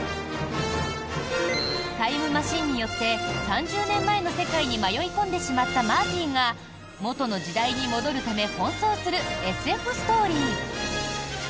タイムマシンによって３０年前の世界に迷い込んでしまったマーティが元の時代に戻るため奔走するＳＦストーリー。